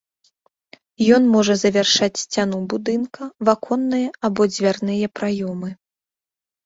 Ён можа завяршаць сцяну будынка, ваконныя або дзвярныя праёмы.